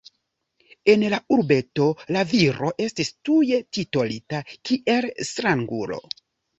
En la urbeto la viro estis tuj titolita kiel strangulo.